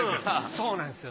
そうなんですよ。